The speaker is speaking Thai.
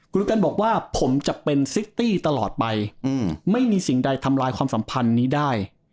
คุณกันบอกว่าผมจะเป็นซิตตี้ตลอดไปไม่มีสิ่งใดทำลายความสัมพันธ์นี้ได้